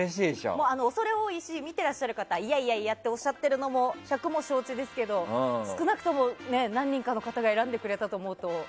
恐れ多いし、見てらっしゃる方いやいやっておっしゃっているのも百も承知ですけど少なくとも何人かの方が選んでくれたと思うと。